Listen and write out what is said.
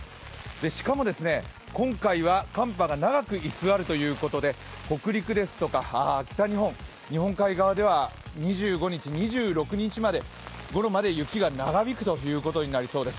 しかも今回は寒波が長く居座るということで、北陸ですとか北日本、日本海側では２５日、２６日ごろまで雪が長引くということになりそうです。